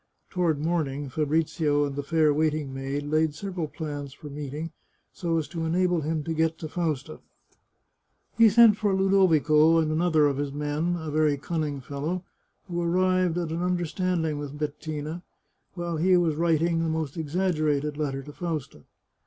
Toward morning, Fabrizio and the fair waiting maid laid several plans for meeting, so as to enable him to get to Fausta. He sent for Ludovico and another of his men, a very cunning fellow, who arrived at an understanding with Bettina, while he was writing the most exaggerated letter to Fausta.